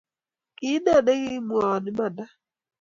Kiine menwawon imanda?